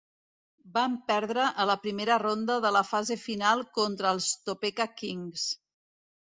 Van perdre a la primera ronda de la fase final contra els Topeka Kings.